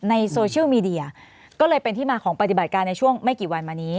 โซเชียลมีเดียก็เลยเป็นที่มาของปฏิบัติการในช่วงไม่กี่วันมานี้